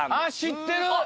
知ってる！